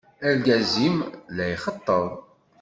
Argaz-im la yxeṭṭeb.